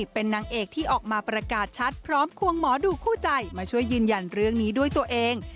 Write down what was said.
เป็นนางเอกที่ออกมาประกาศชัดพร้อมควงหมอดูคู่ใจมาช่วยยืนยันเรื่องนี้ด้วยตัวเอง